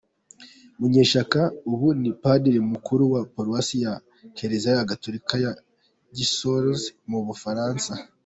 Munyeshyaka, ubu ni padiri mukuru wa Paruwasi ya Kiliziya Gatolika ya Gisors mu Bufaransa.